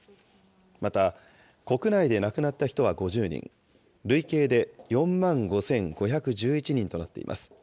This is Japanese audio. また、国内で亡くなった人は５０人、累計で４万５５１１人となっています。